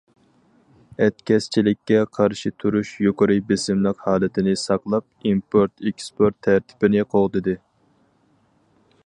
ئەتكەسچىلىككە قارشى تۇرۇش يۇقىرى بېسىملىق ھالىتىنى ساقلاپ، ئىمپورت ئېكسپورت تەرتىپىنى قوغدىدى.